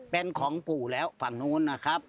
เป็นของปู่แล้วฝั่งนู้นนะครับ